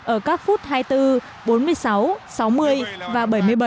ở các phút hai mươi bốn bốn mươi sáu sáu mươi và bảy mươi bảy